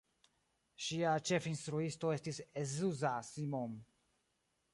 Ŝia ĉefinstruisto estis Zsuzsa Simon.